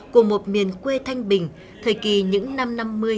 của một miền quê thanh bình thời kỳ những năm năm mươi sáu mươi